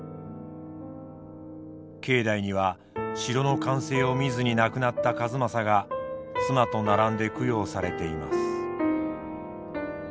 境内には城の完成を見ずに亡くなった数正が妻と並んで供養されています。